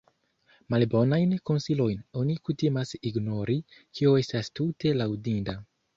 Malbonajn konsilojn oni kutimas ignori, kio estas tute laŭdinda.